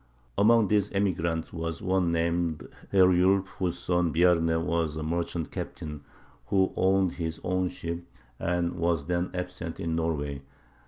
Among these emigrants was one named Herjulf, whose son Bjarne was a merchant captain who owned his own ship, and was then absent in Norway.